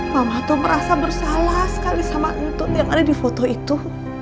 mama tuh merasa bersalah sekali sama entut yang ada di foto itu